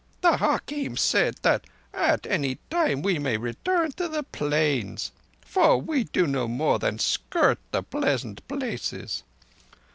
The hakim said that at any time we may return to the Plains, for we do no more than skirt the pleasant places.